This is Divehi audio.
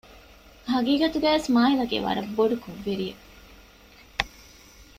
ހަގީގަތުގައިވެސް މާހިލަކީ ވަރަށް ބޮޑު ކުށްވެރިއެއް